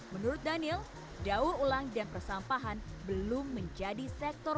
menurut daniel daur ulang dan persampahan belum menjadi sektor